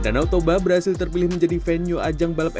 danau toba berhasil terpilih menjadi f satu powerboat di jawa barat